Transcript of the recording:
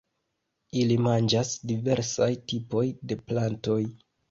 Ili manĝas diversaj tipoj de plantoj.